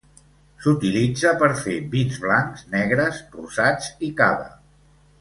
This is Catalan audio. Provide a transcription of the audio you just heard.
S'utilitza per fer vins blancs, negres, rosats i cava.